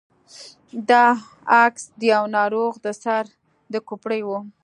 دا عکس د يوه ناروغ د سر د کوپړۍ و.